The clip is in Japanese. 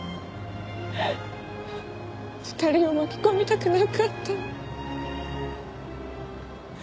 ２人を巻き込みたくなかった。